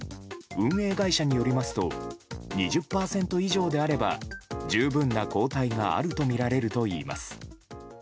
運営会社によりますと２０％以上であれば十分な抗体があるとみられるといいます。